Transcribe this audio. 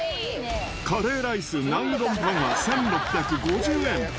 カレーライスナンうどんパン１６５０円。